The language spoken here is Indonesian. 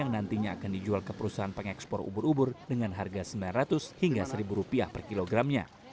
nantinya akan dijual ke perusahaan pengekspor ubur ubur dengan harga sembilan ratus hingga seribu rupiah per kilogramnya